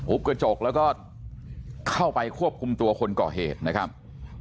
กระจกแล้วก็เข้าไปควบคุมตัวคนก่อเหตุนะครับ